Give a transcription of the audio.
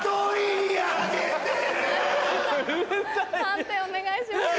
判定お願いします。